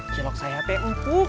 cilok saya tepuk